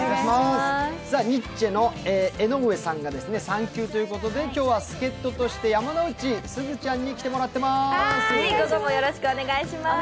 ニッチェの江上さんが産休ということで今日は助っととして山之内すずちゃんに来てもらってます。